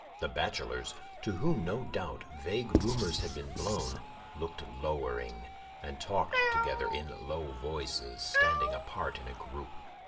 The bachelors, to whom, no doubt, vague rumors had been blown, looked lowering, and talked together in low voices, standing apart in a group.